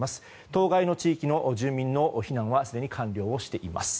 当該の地域の住民の避難はすでに完了しています。